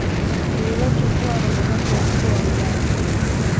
lililochukua robo tatu ya ukubwa wa wilaya hiyo